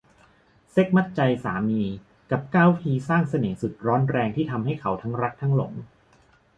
เซ็กส์มัดใจสามี กับ เก้า วิธีสร้างเสน่ห์สุดร้อนแรงที่ทำให้เขาทั้งรักทั้งหลง